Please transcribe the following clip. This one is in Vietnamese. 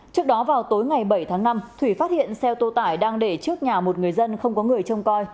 trước đó vào tối ngày bảy tháng năm thủy phát hiện xe ô tô tải đang để trước nhà một người dân không có người trông coi